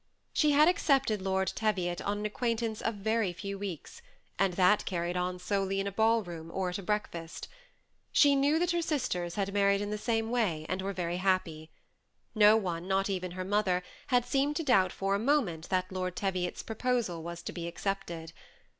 She had accepted Lord Teviot on an acquaint ance of very few weeks, and that carried on solely in a ball room or at a breakfast. She knew that her Asters had married in the same way, and were very happy. No one, not even her mother, had seemed to doubt for a moment that Lord Teviot's proposal was to be accepted.